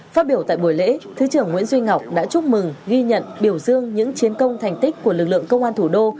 phát biểu tại buổi lễ thứ trưởng nguyễn duy ngọc đã chúc mừng ghi nhận biểu dương những chiến công thành tích của lực lượng công an thủ đô